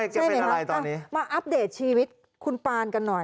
ใช่ไหมครับมาอัปเดตชีวิตคุณปานกันหน่อย